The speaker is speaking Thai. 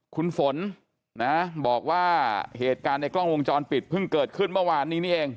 คุณฝนนะบอกว่าเหตุการณ์ในกล้องวงจรปิดเพิ่งเกิดขึ้นเมื่อวานนี้นี่เอง